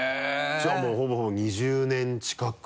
じゃあもうほぼ２０年近く。